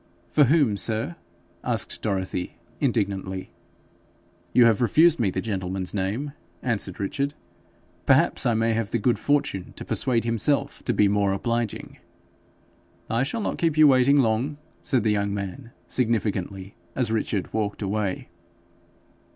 'For whom, sir?' asked Dorothy, indignantly. 'You have refused me the gentleman's name,' answered Richard: 'perhaps I may have the good fortune to persuade himself to be more obliging.' 'I shall not keep you waiting long,' said the young man significantly, as Richard walked away.